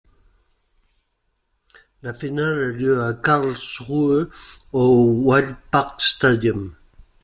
La finale a lieu à Karlsruhe au Wildparkstadion.